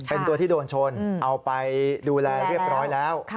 เป็นตัวที่โดนชนเอาไปดูแลเรียบร้อยแล้ว